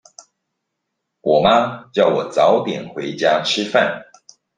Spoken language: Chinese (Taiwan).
我媽叫我早點回家吃飯